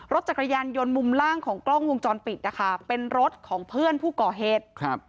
รถจักรยานยนต์มุมล่างของกล้องวงจรปิดนะคะเป็นรถของเพื่อนผู้ก่อเหตุครับ